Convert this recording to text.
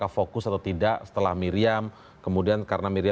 ada mengatakan maksudnya